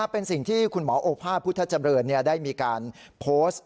เป็นสิ่งที่คุณหมอโอภาษพุทธเจริญได้มีการโพสต์